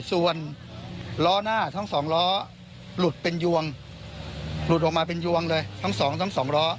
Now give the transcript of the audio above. ส่วนล้อหน้าทั้งสองล้อหลุดเป็นยวงหลุดออกมาเป็นยวงเลยทั้งสองทั้งสองล้อ